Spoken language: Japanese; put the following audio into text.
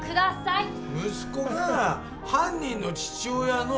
息子がさ犯人の父親の。